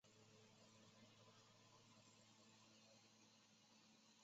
不会因此滑倒